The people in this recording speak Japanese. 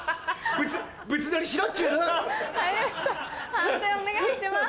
判定お願いします。